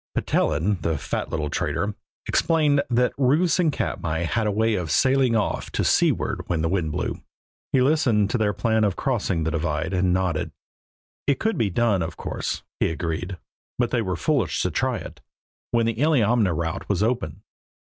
Petellin, the fat little trader, explained that roofs in Katmai had a way of sailing off to seaward when the wind blew. He listened to their plan of crossing the divide and nodded. It could be done, of course, he agreed, but they were foolish to try it, when the Illiamna route was open.